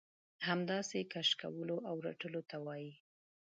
همداسې کش کولو او رټلو ته وايي.